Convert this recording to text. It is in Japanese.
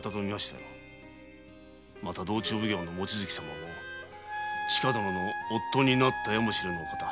また道中奉行の望月様も千加殿の夫になったやもしれぬお方。